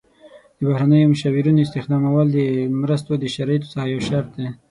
د بهرنیو مشاورینو استخدامول د مرستو د شرایطو څخه یو شرط دی.